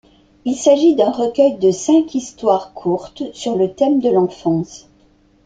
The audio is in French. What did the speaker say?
Il s'agit d'un recueil de cinq histoires courtes sur le thème de l'enfance.